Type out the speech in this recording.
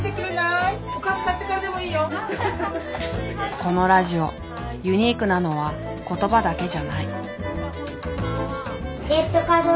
このラジオユニークなのは言葉だけじゃない。